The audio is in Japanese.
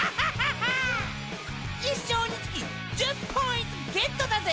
１勝につき１０ポイントゲットだぜ。